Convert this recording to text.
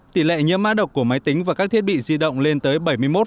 tỷ lệ nhiễm mã độc của máy tính và các thiết bị di động lên tới bảy mươi một ba mươi tám